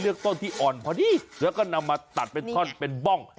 ต้นที่อ่อนพอดีแล้วก็นำมาตัดเป็นท่อนเป็นบ้อง